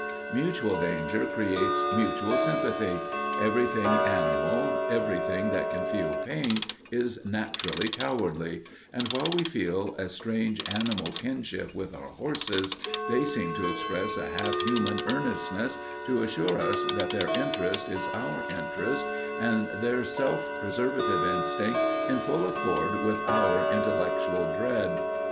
Mutual danger creates mutual sympathy—everything animal, everything that can feel pain, is naturally cowardly—and while we feel a strange animal kinship with our horses, they seem to express a half human earnestness to assure us that their interest is our interest, and their self preservative instinct in full accord with our intellectual dread.